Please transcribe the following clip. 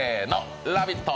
「ラヴィット！」